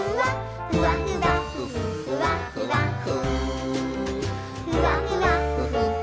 「ふわふわふふふわふわふ」